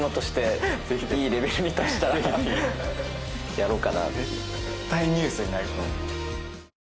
やろうかな。